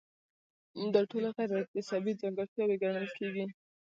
دا ټولې غیر اکتسابي ځانګړتیاوې ګڼل کیږي.